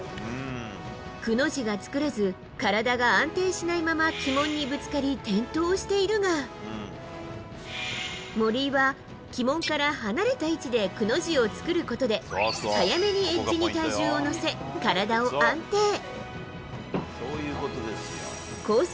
くの字が作れず、体が安定しないまま旗門にぶつかり転倒しているが、森井は旗門から離れた位置でくの字を作ることで、早めにエッジに体重を乗せ、体を安定。